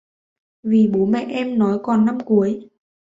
Vì bố mẹ em nói còn năm cuối